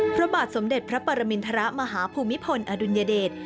พระบาทสมเด็จพระปรมินทรมาฮภูมิพลอดุลยเดช